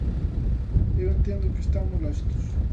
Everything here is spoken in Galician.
Eu entendo que están molestos.